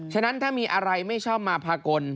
ฉะนั้นถ้ามีอะไรไม่ชอบมาพากล